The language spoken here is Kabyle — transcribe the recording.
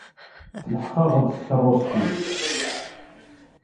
Telḥeq-aɣ-d tkeṛṛust-is.